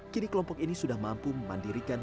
kini kelompok ini sudah mampu memandirikan